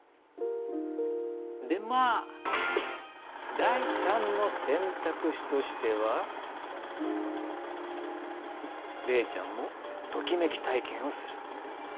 でまあ第３の選択肢としては麗ちゃんもときめき体験をする。